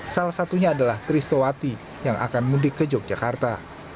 salah satunya adalah tristowati yang akan mudik ke yogyakarta